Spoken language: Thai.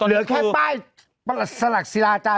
เหลือแค่ป้ายสลักศิราจารย์